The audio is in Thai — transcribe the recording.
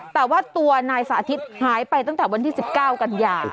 แต่ว่าตัวนายสาธิตหายไปตั้งแต่วันที่๑๙กันยา